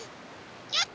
よっ！